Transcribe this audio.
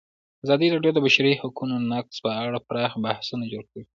ازادي راډیو د د بشري حقونو نقض په اړه پراخ بحثونه جوړ کړي.